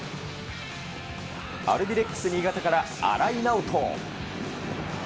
アルビレックス新潟から新井直人。